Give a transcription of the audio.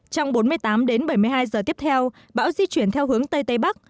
trong bốn mươi tám đến bảy mươi hai giờ tiếp theo bão di chuyển theo hướng tây tây bắc